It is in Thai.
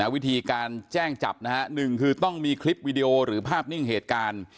วิธีการแจ้งจับนะฮะหนึ่งคือต้องมีคลิปวิดีโอหรือภาพนิ่งเหตุการณ์